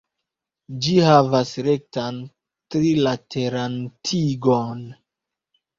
Ĝi havas rektan, tri-lateran tigon.